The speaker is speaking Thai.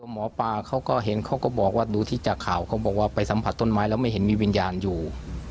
หมอปลาเขาก็เห็นเขาก็บอกว่าดูที่จากข่าวเขาบอกว่าไปสัมผัสต้นไม้แล้วไม่เห็นมีวิญญาณอยู่